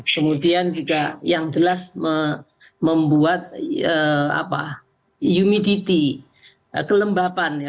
kemudian juga yang jelas membuat humidity kelembapan ya